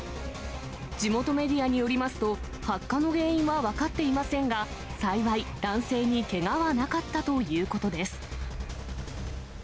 地元メディアによりますと、発火の原因は分かっていませんが、幸い、男性にけがはなかったということです。